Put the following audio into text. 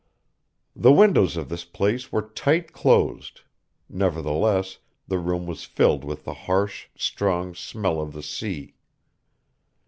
The windows of this place were tight closed; nevertheless, the room was filled with the harsh, strong smell of the sea.